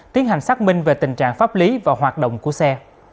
tiến hành xác minh về tình trạng pháp lý và hoạt động của xe